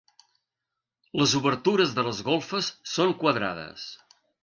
Les obertures de les golfes són quadrades.